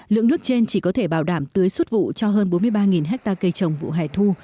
lượng nước trên chỉ có thể bảo đảm tưới xuất vụ cho hơn bốn mươi ba ha cây trồng vụ hẻ thu